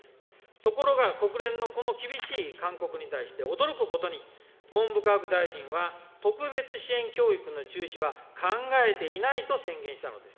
ところが、国連のこの厳しい勧告に対して、驚くことに、文部科学大臣は特別支援教育の中止は考えていないと宣言したのです。